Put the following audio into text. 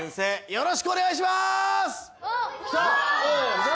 よろしくお願いします。